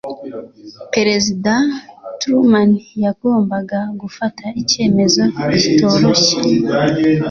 Perezida Truman yagombaga gufata icyemezo kitoroshye.